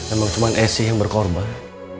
emang cuma sc yang berkorban